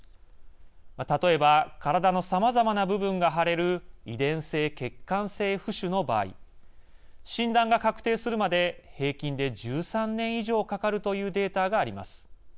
例えば、体のさまざまな部分が腫れる遺伝性血管性浮腫の場合診断が確定するまで平均で１３年以上かかるというデータがあります。